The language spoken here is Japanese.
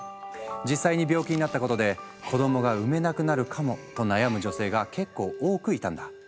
実際に病気になったことで子どもが産めなくなるかもと悩む女性が結構多くいたんだ。